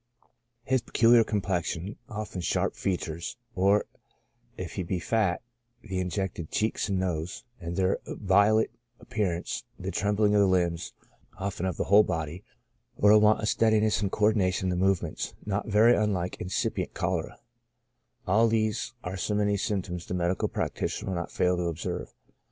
His peculiar complexion, often sharp features, or, if he be fat, the injected cheeks and nose, and their violet appear ance, the trembling of the limbs, often of the vi^hole body, or a want of steadiness and co ordination in the movements, not very unlike incipient chorea — all these are so many symptoms the medical practitioner will not fail to observe.